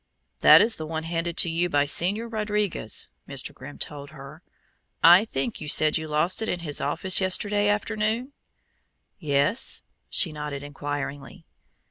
"That is the one handed to you by Señor Rodriguez," Mr. Grimm told her. "I think you said you lost it in his office yesterday afternoon?" "Yes?" She nodded inquiringly.